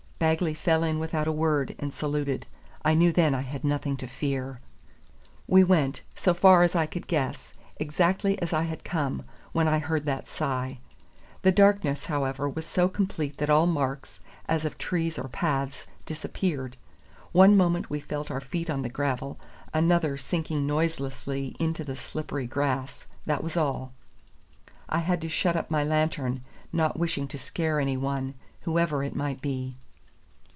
Bagley fell in without a word, and saluted. I knew then I had nothing to fear. We went, so far as I could guess, exactly as I had come; when I heard that sigh. The darkness, however, was so complete that all marks, as of trees or paths, disappeared. One moment we felt our feet on the gravel, another sinking noiselessly into the slippery grass, that was all. I had shut up my lantern, not wishing to scare any one, whoever it might be.